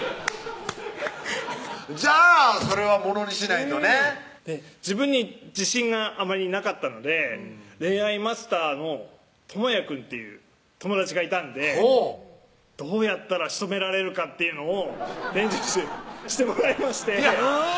じゃあそれはものにしないとね自分に自信があまりなかったので恋愛マスターのともやくんっていう友達がいたんでどうやったらしとめられるかっていうのを伝授してもらいましていやハハハ